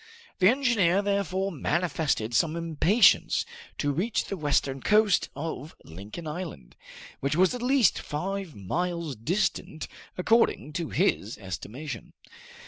The engineer therefore manifested some impatience to reach the western coast of Lincoln Island, which was at least five miles distant according to his estimation.